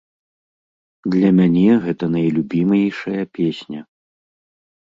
Для мяне гэта найлюбімейшая песня.